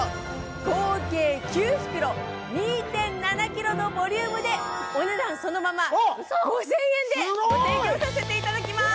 合計９袋２．７ｋｇのボリュームでお値段そのまま５０００円でご提供させていただきます！